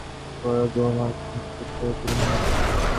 একেবারে দেহমন কেন ছাই করিয়া দিল না।